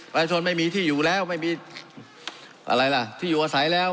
ไม่มีที่อยู่แล้วไม่มีอะไรล่ะที่อยู่อาศัยแล้ว